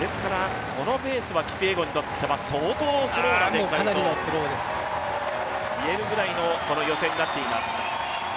このペースはキピエゴンにとっては相当スローですね。と言えるくらいの、この予選となっています。